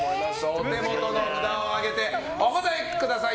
お手元の札を上げてください。